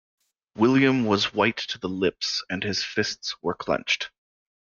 William was white to the lips, and his fists were clenched.